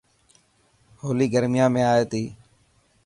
هولي گرميان ۾ آئي تي.